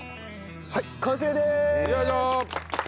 はい完成です！